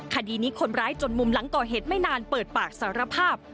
คดีนี้คนร้ายจนมุมหลังก่อเหตุไม่นานเปิดปากสารภาพ